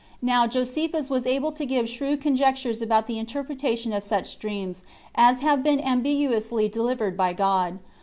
Now Josephus was able to give shrewd conjectures about the interpretation of such dreams as have been ambiguously delivered by God.